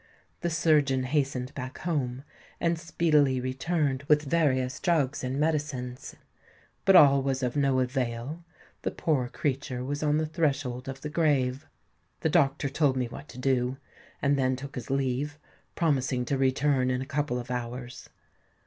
The surgeon hastened back home, and speedily returned with various drugs and medicines. But all was of no avail; the poor creature was on the threshold of the grave. The doctor told me what to do, and then took his leave, promising to return in a couple of hours.